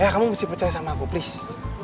ya kamu mesti percaya sama aku pris